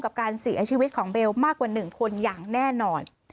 กับการเสียชีวิตของเบลมากกว่า๑คนอย่างแน่นอน